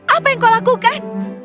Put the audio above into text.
apa yang kau lakukan